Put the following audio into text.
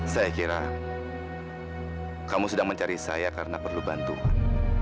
saya kira kamu sedang mencari saya karena perlu bantuan